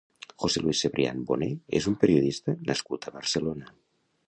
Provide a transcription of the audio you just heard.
José Luis Cebrián Boné és un periodista nascut a Barcelona.